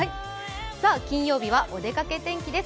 金曜日は、お出かけ天気です。